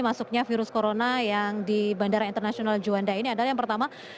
masuknya virus corona yang di bandara internasional juanda ini adalah yang pertama